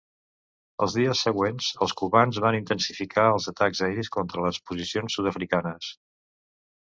Els dies següents, els cubans van intensificar els atacs aeris contra les posicions sud-africanes.